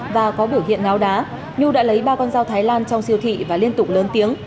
và có biểu hiện ngáo đá nhu đã lấy ba con dao thái lan trong siêu thị và liên tục lớn tiếng